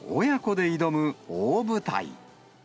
親子で挑む大舞台。